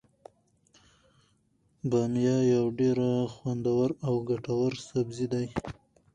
بامیه یو ډیر خوندور او ګټور سبزي دی.